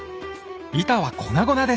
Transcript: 板は粉々です。